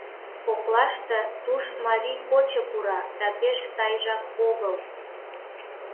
Коклаште туш «марий кочо» пура да пеш сайжак огыл.